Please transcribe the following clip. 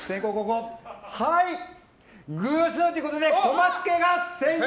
偶数ということで小松家が先攻！